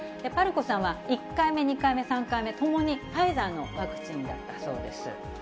ぱるこさんは１回目、２回目、３回目、ともにファイザーのワクチンだったそうです。